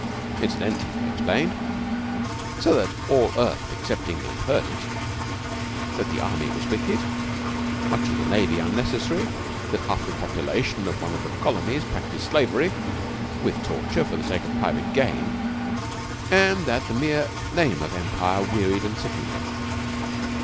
Incidentally they explained, so that all Earth except England heard it, that the Army was wicked; much of the Navy unnecessary; that half the population of one of the Colonies practised slavery, with torture, for the sake of private gain, and that the mere name of Empire wearied and sickened them.